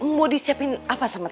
mau disiapin apa sama